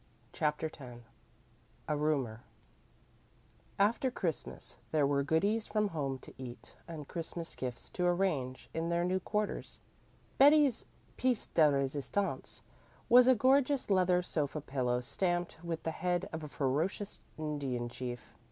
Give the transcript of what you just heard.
CHAPTER X A RUMOR After Christmas there were goodies from home to eat and Christmas gifts to arrange in their new quarters. Betty's piêce de resistance was a gorgeous leather sofa pillow stamped with the head of a ferocious Indian chief.